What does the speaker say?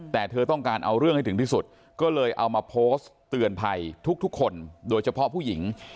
แต่เธอต้องการเอาเรื่องให้ถึงที่สุดก็เลยเอามาโพสต์เตือนภัยทุกคนโดยเฉพาะผู้หญิง